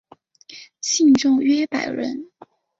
信众约百人。